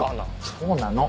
そうなの。